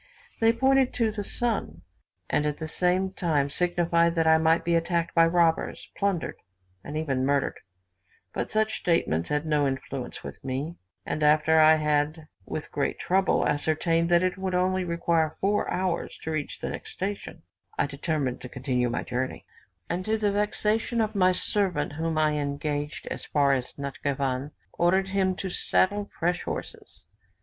They pointed to the sun, and at the same time signified that I might be attacked by robbers, plundered, and even murdered; but such statements had no influence with me; and after I had with great trouble ascertained that it would only require four hours to reach the next station, I determined to continue my journey; and to the vexation of my servant, whom I had engaged as far as Natschivan, ordered him to saddle fresh horses.